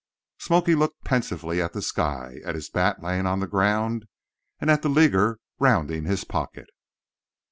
"Smoky" looked pensively at the sky, at his bat lying on the ground, and at the "leaguer" rounding his pocket.